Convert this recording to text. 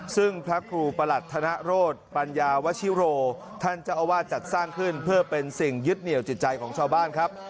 ซึ่งพระครูประหลัดธนโรธปัญญาวชิโรท่านเจ้าอาวาสจัดสร้างขึ้นเพื่อเป็นสิ่งยึดเหนียวจิตใจของชาวบ้านครับ